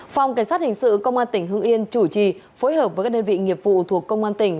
phòng cảnh sát hình sự công an tỉnh hưng yên chủ trì phối hợp với các đơn vị nghiệp vụ thuộc công an tỉnh